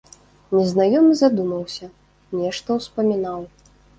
Незнаёмы задумаўся, нешта ўспамінаў.